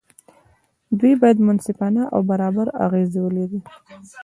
دوی باید منصفانه او برابر اغېز ولري.